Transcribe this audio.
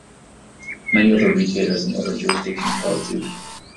Many other retailers in other jurisdictions followed suit.